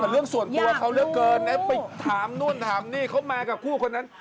ล่าสุดแม่บ้านพี่ไม่รู้นะ